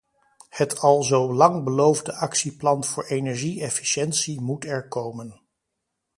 Het al zo lang beloofde actieplan voor energie-efficiëntie moet er komen.